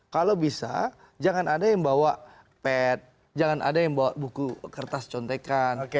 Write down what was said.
kalau bisa jangan ada yang bawa ped jangan ada yang bawa buku kertas contekan